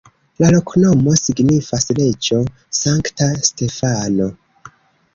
La loknomo signifas: reĝo-sankta-Stefano.